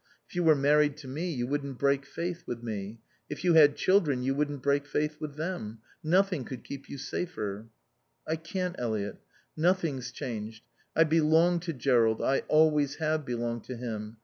If you were married to me you wouldn't break faith with me. If you had children you wouldn't break faith with them. Nothing could keep you safer." "I can't, Eliot. Nothing's changed. I belong to Jerrold. I always have belonged to him.